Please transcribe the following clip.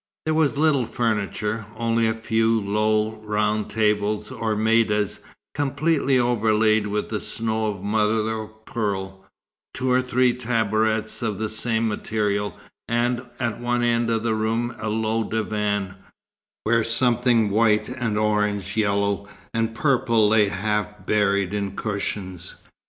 There was little furniture; only a few low, round tables, or maidas, completely overlaid with the snow of mother o' pearl; two or three tabourets of the same material, and, at one end of the room a low divan, where something white and orange yellow and purple lay half buried in cushions.